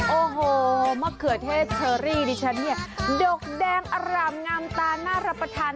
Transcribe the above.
โอ้โหมะเขือเทศเชอรี่ดิฉันเนี่ยดกแดงอร่ามงามตาน่ารับประทาน